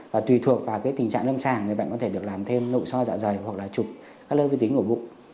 và tùy thuộc vào tình trạng lâm sàng người bệnh có thể được làm thêm nội so dạ dày hoặc là chụp các lơ vi tính của bụng